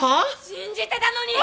信じてたのに！